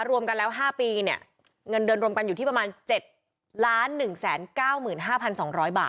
รวมกันแล้วห้าปีเนี่ยเงินเดือนรวมกันอยู่ที่ประมาณเจ็ดล้านหนึ่งแสนเก้าหมื่นห้าพันสองร้อยบาท